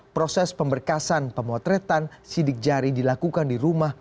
proses pemberkasan pemotretan sidik jari dilakukan di rumah